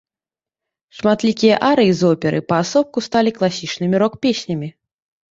Шматлікія арыі з оперы паасобку сталі класічнымі рок-песнямі.